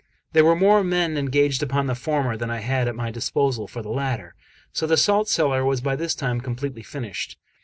There were more men engaged upon the former than I had at my disposal for the latter, so the salt cellar was by this time completely finished.